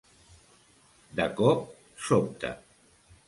De cop sobte.